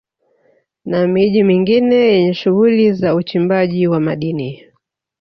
Na miji mingine yenye shughuli za uchimbaji wa madini